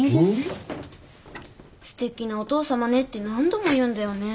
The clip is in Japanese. すてきなお父さまねって何度も言うんだよね。